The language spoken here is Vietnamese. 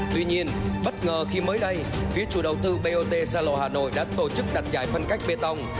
tuy nhiên bất ngờ khi mới đây phía chủ đầu tư bot zalo hà nội đã tổ chức đặt giải phân cách bê tông